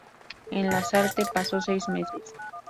En La Sarthe, pasó seis meses.